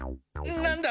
何だ？